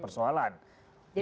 jadi secara instan itu ya